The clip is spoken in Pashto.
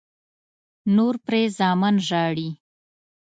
نور پرې زامن ژاړي.